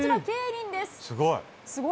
すごい。